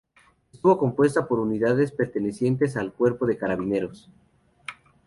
Estuvo compuesta por unidades pertenecientes al Cuerpo de Carabineros.